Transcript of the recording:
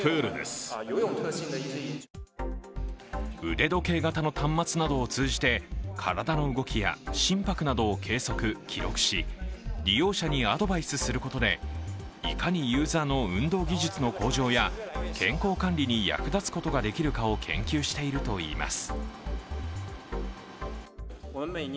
腕時計型の端末などを通じて体の動きや心拍などを計測・記録し利用者にアドバイスすることでいかにユーザーの運動技術の向上や健康管理に役立つことができるかを研究しているといいます。